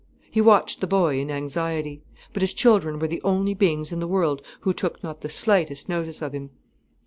He watched the boy in anxiety. But his children were the only beings in the world who took not the slightest notice of him.